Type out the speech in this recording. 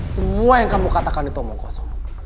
semua yang kamu katakan itu omong kosong